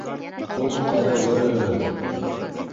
Ҡот-ҡа-ры-ғыҙ!